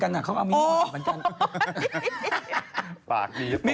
ก็ถามว่า